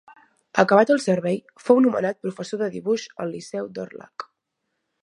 Acabat el servei, fou nomenat professor de dibuix al liceu d'Orlhac.